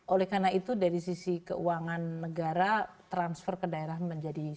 oleh karena itu dari sisi keuangan negara transfer ke daerah menjadi